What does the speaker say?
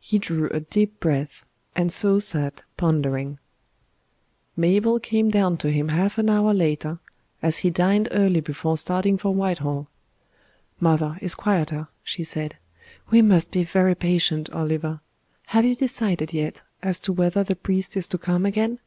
He drew a deep breath, and so sat pondering. Mabel came down to him half an hour later, as he dined early before starting for Whitehall. "Mother is quieter," she said. "We must be very patient, Oliver. Have you decided yet as to whether the priest is to come again?"